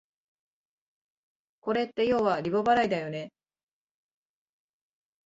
これってようはリボ払いだよね